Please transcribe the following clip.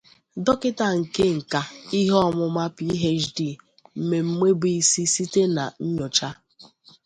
Dọkịta nke Nkà Ihe Ọmụma (Ph.D.) mmemme bụ isi site na nyocha.